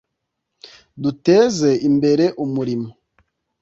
”« Duteze imbere umurimo